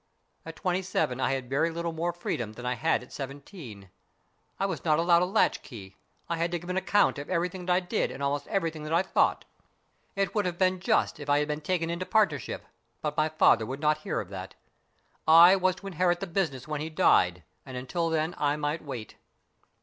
At twenty seven I had very little more freedom than I had at seventeen. I was not allowed a latch key. I had to give an account of everything that I did and almost everything that I thought. 88 STORIES IN GREY It would have been just if I had been taken inl partnership, but my father would not hear of that. I was to inherit the business when he died, and until then I might wait.